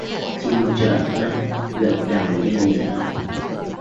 Chinh trợn mắt gật đầu lia lịa